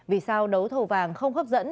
vì sao đấu thầu vàng không hấp dẫn